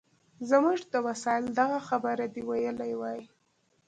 زموږ د سایل دغه خبره دې ویلې وای.